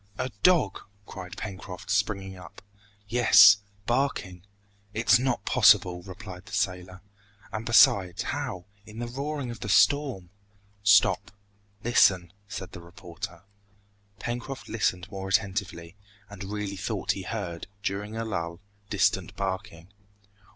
"A dog!" cried Pencroft, springing up. "Yes barking " "It's not possible!" replied the sailor. "And besides, how, in the roaring of the storm " "Stop listen " said the reporter. Pencroft listened more attentively, and really thought he heard, during a lull, distant barking.